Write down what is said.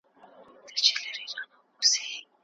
منطق هر څوک مني.